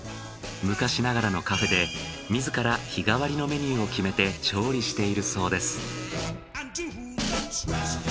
昔ながらのカフェで自ら日替わりのメニューを決めて調理しているそうです。